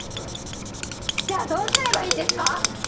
じゃあどうすればいいんですか！？